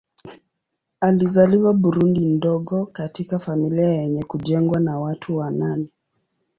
Alizaliwa Burundi mdogo katika familia yenye kujengwa na watu wa nane.